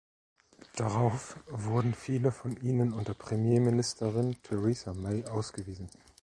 Darauf wurden viele von ihnen unter Premierministerin Theresa May ausgewiesen.